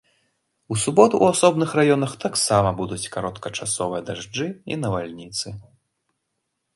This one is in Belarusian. У суботу ў асобных раёнах таксама будуць кароткачасовыя дажджы і навальніцы.